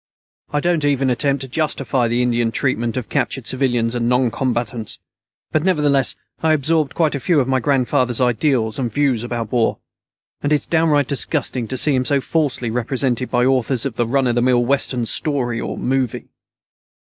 I don't even attempt to justify the Indian treatment of captured civilians and noncombatants, but nevertheless, I absorbed quite a few of my grandfather's ideals and views about war, and it's downright disgusting to see him so falsely represented by the authors of the run of the mill Western story or movie."